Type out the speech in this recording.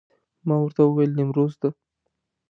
ما ورته وویل نیمروز ته.